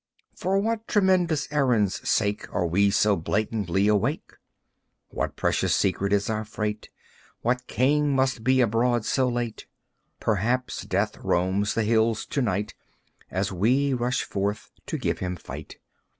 For what tremendous errand's sake Are we so blatantly awake? What precious secret is our freight? What king must be abroad so late? Perhaps Death roams the hills to night And we rush forth to give him fight.